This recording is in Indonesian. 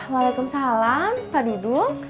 waalaikumsalam pak dudung